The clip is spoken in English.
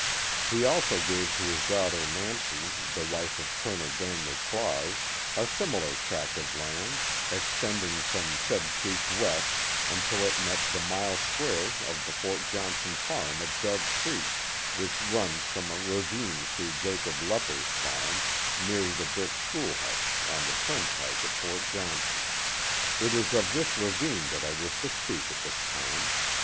He also gave to his daughter Nancy, the wife of Colonel Daniel Claus, a similar tract of land, extending from said creek west, until it met the mile square of the Fort Johnson farm at Dove Creek, which runs from a ravine through Jacob Lepper's farm, near the brick schoolhouse on the turnpike at Fort Johnson. It is of this ravine that I wish to speak at this time.